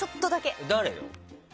誰？